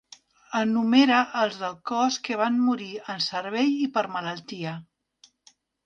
Enumera els del cos que van morir en servei i per malaltia.